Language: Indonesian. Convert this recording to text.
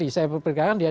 saya berpikirkan ya